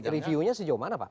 reviewnya sejauh mana pak